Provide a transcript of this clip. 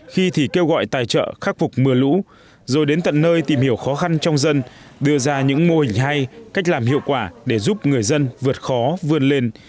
khi thì kêu gọi tài trợ khắc phục mưa lũ rồi đến tận nơi tìm hiểu khó khăn trong dân đưa ra những mô hình hay cách làm hiệu quả để giúp người dân vượt khó vươn lên